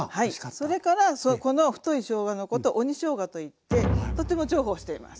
それからこの太いしょうがのことを鬼しょうがといってとても重宝しています。